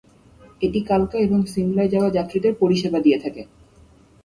এটি কালকা এবং সিমলায় যাওয়া যাত্রীদের পরিষেবা দিয়ে থাকে।